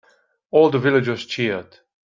All the villagers cheered.